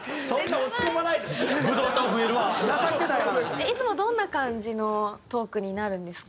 いつもどんな感じのトークになるんですか？